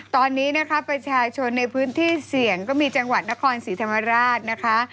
ตอนนี้นะคะประชาชนในพื้นที่เสี่ยงก็มีจังหวัดนครศรีธรรมราชนะคะ